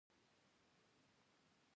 ما ته معلومېږي اوس بې عقله شوې یم.